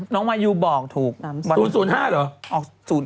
มายูบอกถูก๐๐๕เหรอ